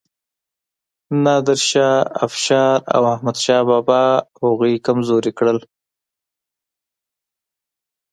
نادر شاه افشار او احمد شاه بابا هغوی کمزوري کړل.